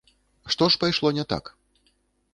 Што ж пайшло не так?